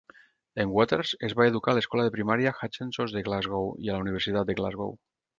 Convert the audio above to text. En Waters es va educar a l'escola de primària Hutchesons de Glasgow i a la Universitat de Glasgow.